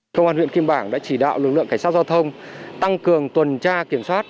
công an huyện kim bảng đã chỉ đạo lực lượng cảnh sát giao thông tăng cường tuần tra kiểm soát